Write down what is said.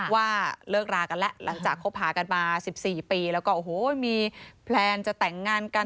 ว่าเลิกรากันแล้วหลังจากคบหากันมา๑๔ปีแล้วก็โอ้โหมีแพลนจะแต่งงานกัน